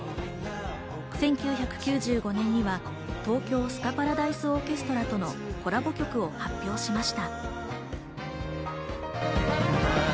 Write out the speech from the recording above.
１９９５年には東京スカパラダイスオーケストラとのコラボ曲を発表しました。